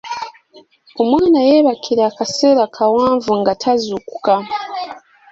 Omwana yebakira akaseera kawanvu nga tazuukuka.